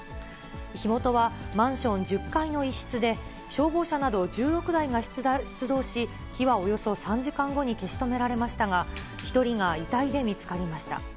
火元はマンション１０階の一室で、消防車など１６台が出動し、火はおよそ３時間後に消し止められましたが、１人が遺体で見つかりました。